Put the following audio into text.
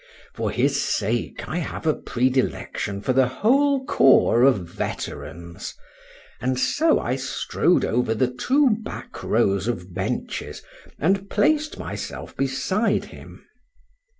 For his sake I have a predilection for the whole corps of veterans; and so I strode over the two back rows of benches and placed myself beside him.